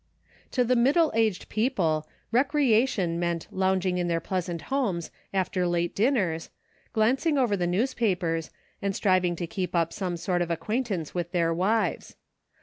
To the middle aged people, recreation meant lounging in their pleasant homes after late din ners, glancing over the newspapers, and striving to keep up some sort of acquaintance with their wives.